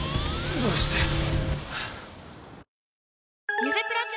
どうして。